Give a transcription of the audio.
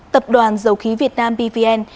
tập đoàn dầu khí việt nam bvn